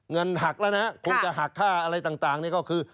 เงินหักแล้วนะคงจะหักค่าอะไรต่างนี่ก็คือ